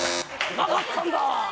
なかったんだ！